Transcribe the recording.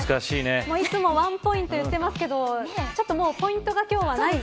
いつもワンポイントいってますけどちょっともうポイントが今日はない。